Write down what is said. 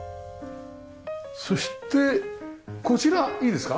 そしてこちらいいですか？